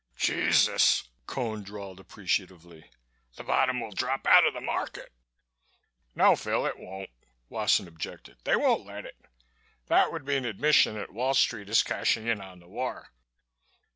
"Je sus!" Cone drawled appreciatively. "The bottom will drop out of the market!" "No, Phil it won't," Wasson objected. "They won't let it. That would be an admission that Wall Street is cashing in on the war."